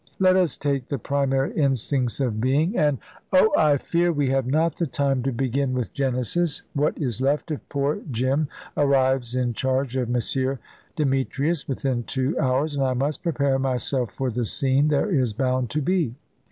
"Let us take the primary instincts of being, and " "Oh, I fear we have not the time to begin with Genesis. What is left of poor Jim arrives in charge of M. Demetrius within two hours, and I must prepare myself for the scene there is bound to be.